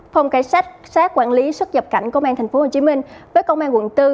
phòng cải sát xác quản lý xuất dập cảnh công an tp hcm với công an quận bốn